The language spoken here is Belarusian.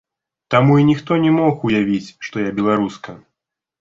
Таму ніхто і не мог уявіць, што я беларуска.